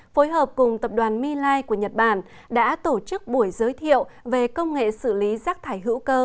phối hợp cùng tập đoàn milane của nhật bản đã tổ chức buổi giới thiệu về công nghệ xử lý rác thải hữu cơ